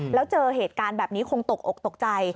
แล้วเจอเหตุการณ์แบบนี้คงตกอกตกใจ